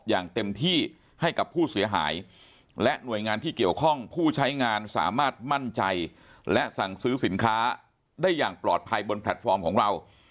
อย่างเต็มที่ให้กับผู้เสียหายและหน่วยงานที่เกี่ยวข้องผู้ใช้งานสามารถมั่นใจและสั่งซื้อสินค้าได้อย่างปลอดภัยบนแพลตฟอร์มของเรา